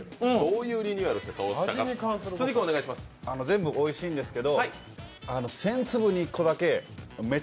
全部おいしいんですけど１０００粒に１個だけめち